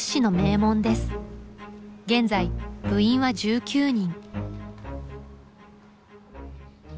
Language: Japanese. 現在部員は１９人。